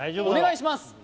お願いします